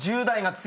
１０代が。